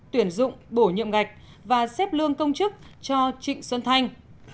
tuyển dụng bổ nhiệm ngạch và xếp lương công chức cho trịnh xuân thành